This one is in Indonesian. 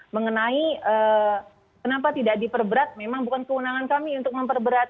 mengenai kenapa tidak diperberat memang bukan kewenangan kami untuk memperberat